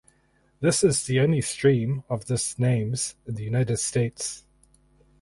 This is the only stream of this names in the United States.